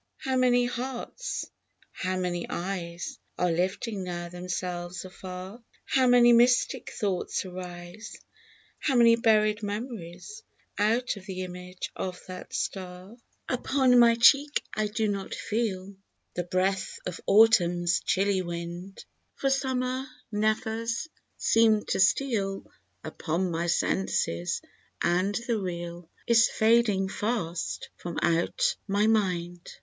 How many hearts, how many eyes Are lifting now themselves afar^ How many mystic thoughts arise, How many buried memories Out of the image of that star ! 22 In the Wood, Upon my cheek I do not feel The breath of Autumn's chilly wind, For Summer zephyrs seem to steal Upon my senses, and the Real Is fading fast from out my mind.